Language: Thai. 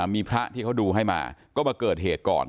มีพระที่เขาดูให้มาก็มาเกิดเหตุก่อน